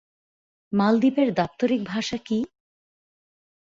মালদ্বীপের দাপ্তরিক ভাষা কী?